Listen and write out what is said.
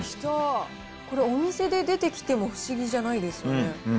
これ、お店で出てきても不思議じゃないですよね。